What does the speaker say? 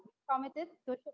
kami berkomitmen untuk mendukung